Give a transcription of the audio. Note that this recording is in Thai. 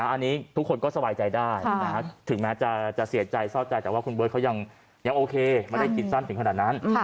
อันนี้ทุกคนก็สบายใจได้ถึงแม้จะเสียใจเศร้าใจแต่ว่าคุณเบิร์ตเขายังโอเคไม่ได้กินสั้นถึงขนาดนั้น